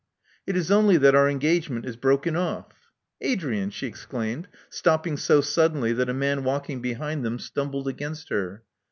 It is only that our engagement is broken off "Adrian!" she exclaimed, stopping so suddenly that a man walking behind them stumbled against her.